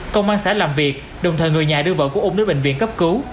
công an xã làm việc đồng thời người nhà đưa vợ của ung đến bệnh viện cấp cứu